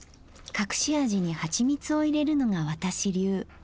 隠し味に蜂蜜を入れるのが私流。